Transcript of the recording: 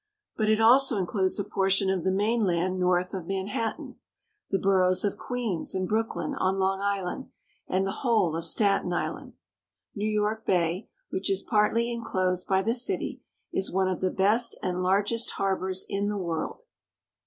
But it also includes a portion of the mainland north of Manhattan, the boroughs of Queens and Brooklyn on Long Island, and the whole of Staten Island. New York Bay, which is partly inclosed by the city, is one of the best and largest harbors in the world.